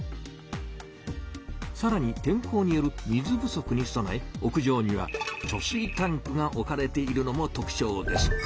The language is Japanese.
さらに天候による水不足にそなえ屋上には貯水タンクが置かれているのも特ちょうです。